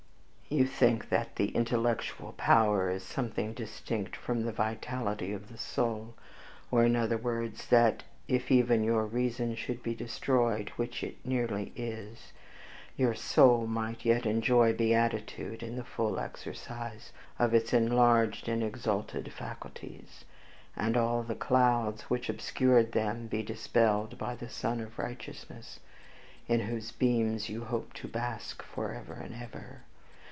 "You think that the intellectual power is something distinct from the vitality of the soul, or, in other words, that if even your reason should be destroyed (which it nearly is), your soul might yet enjoy beatitude in the full exercise of its enlarged and exalted faculties, and all the clouds which obscured them be dispelled by the Sun of Righteousness, in whose beams you hope to bask forever and ever.